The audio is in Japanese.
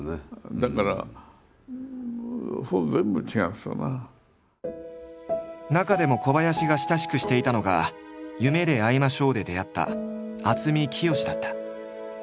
だから中でも小林が親しくしていたのが「夢であいましょう」で出会った渥美清だった。